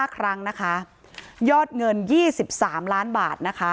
๕ครั้งยอดเงิน๒๓ล้านบาท